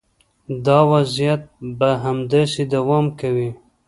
دا وضعیت به همداسې دوام کوي.